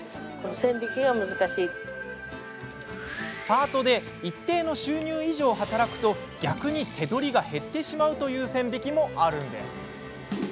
パートで一定の収入以上働くと逆に手取りが減ってしまうという線引きもあるんです。